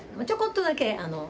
ちょこっとだけ。